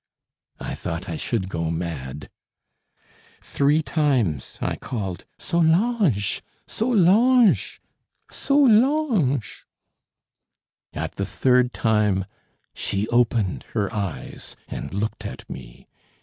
I thought I should go mad. Three times I called: "Solange! Solange! Solange!" At the third time she opened her eyes and looked at me.